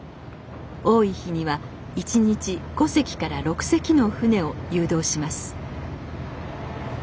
多い日には１日５隻から６隻の船を誘導します